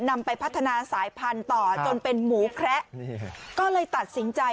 นำไปพัฒนาสายพันธุ์ต่อจนเป็นหมูแคระก็เลยตัดสินใจ